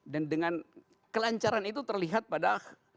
dan dengan kelancaran itu terlihat pada